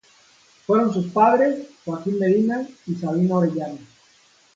Fueron sus padres: Joaquín Medina y Sabina Orellana.